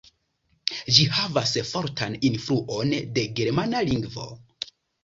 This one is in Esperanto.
Ĝi havas fortan influon de germana lingvo.